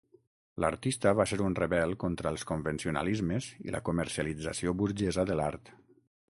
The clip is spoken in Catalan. L'artista va ser un rebel contra els convencionalismes i la comercialització burgesa de l'art.